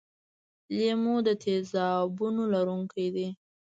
لیمو د تیزابونو لرونکی دی.